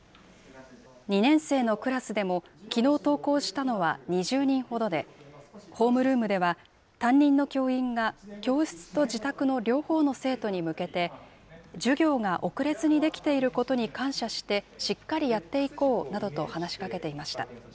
２年生のクラスでも、きのう登校したのは２０人ほどで、ホームルームでは、担任の教員が教室と自宅の両方の生徒に向けて、授業が遅れずにできていることに感謝して、しっかりやっていこうなどと話しかけていました。